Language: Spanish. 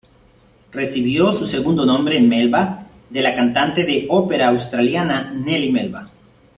Recibió su segundo nombre, Melba, de la cantante de ópera australiana Nellie Melba.